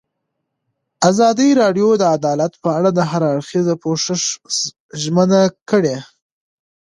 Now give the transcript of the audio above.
ازادي راډیو د عدالت په اړه د هر اړخیز پوښښ ژمنه کړې.